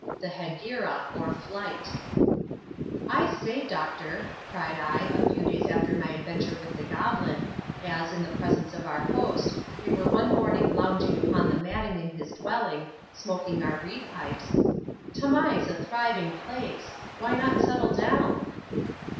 The Hegira, or Flight I SAT, doctor," cried I, a few days after my adventure with the goblin, as, in the absence of our host, we were one morning lounging upon the matting in his dwelling, smoking our reed pipes, " Tamai's a thriving place ; why not settle down?"